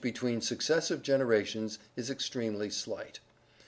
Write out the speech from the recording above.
tween Successive genera tions is extremely slight.